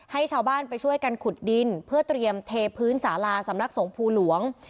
ให้ชาวบ้านไปช่วยกันขุดดินเพื่อเตรียมเทพื้นสาลาสำนักสงภูหลวง